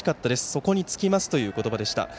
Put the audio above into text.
そこに尽きますという言葉でした。